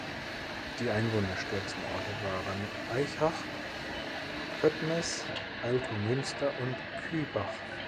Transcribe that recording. Die einwohnerstärksten Orte waren Aichach, Pöttmes, Altomünster und Kühbach.